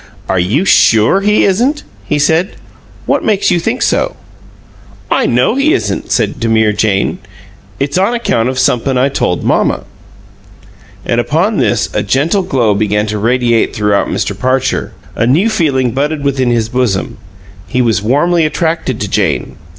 "Are you SURE he isn't?" he said. "What makes you think so?" "I know he isn't," said demure Jane. "It's on account of somep'm I told mamma." And upon this a gentle glow began to radiate throughout Mr. Parcher. A new feeling budded within his bosom; he was warmly attracted to Jane.